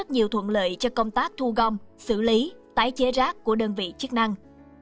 nhiều thuận lợi cho công tác thu gom xử lý tái chế rác của đơn vị chức năng